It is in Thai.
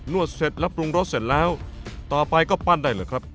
วดเสร็จแล้วปรุงรสเสร็จแล้วต่อไปก็ปั้นได้เหรอครับ